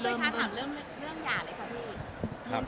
ขอถามเรื่องยาเลยครับพี่